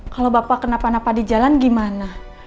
kalau bapak kenapa napa di jalan gimana